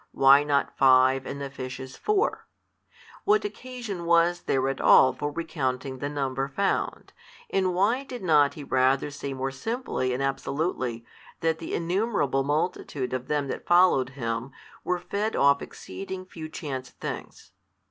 why not five, and the fishes four? what occasion was there at all for recounting the number found, and why did not he rather say more simply and absolutely that the innumerable multitude of them that followed Him were fed off exceeding few chance things?